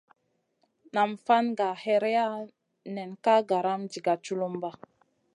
Nam fan gah hèreya nen ka garam diga tchulumba.